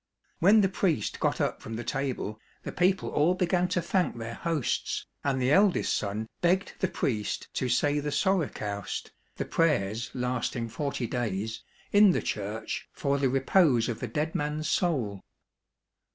When the priest got up from the table, the people all began to thank their hosts, and the eldest son begged the priest to say the sorokoust ^ in the church for the repose of the dead man's soul.